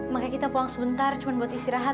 makanya kita pulang sebentar cuma buat istirahat